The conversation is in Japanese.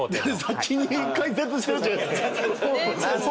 先に解説してるじゃないですか。